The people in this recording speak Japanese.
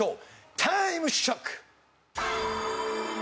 タイムショック！